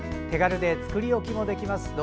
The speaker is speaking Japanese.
手軽で作り置きもできます。